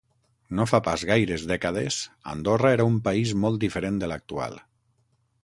No fa pas gaires dècades, Andorra era un país molt diferent de l’actual.